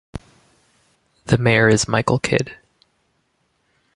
The mayor is Michael Kidd.